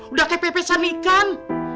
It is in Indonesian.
udah kayak pepesan ikan